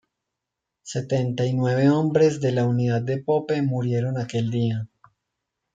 Setenta y nueve hombres de la unidad de Pope murieron aquel día.